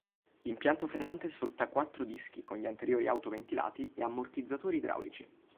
L'impianto frenante sfrutta quattro dischi con gli anteriori auto ventilati e ammortizzatori idraulici.